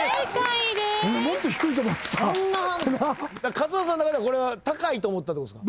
勝俣さんの中ではこれは高いと思ったってことですか？